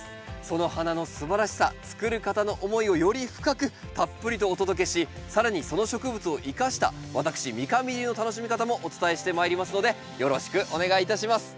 その花のすばらしさつくる方の思いをより深くたっぷりとお届けし更にその植物を生かした私三上流の楽しみ方もお伝えしてまいりますのでよろしくお願いいたします。